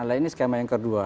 nah ini skema yang kedua